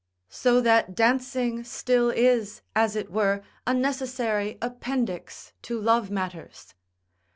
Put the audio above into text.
So that dancing still is as it were a necessary appendix to love matters.